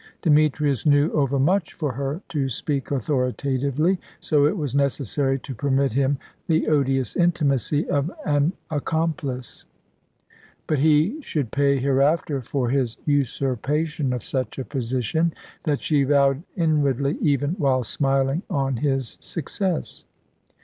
Demetrius knew overmuch for her to speak authoritatively, so it was necessary to permit him the odious intimacy of an accomplice. But he should pay hereafter for his usurpation of such a position: that she vowed inwardly, even while smiling on his success.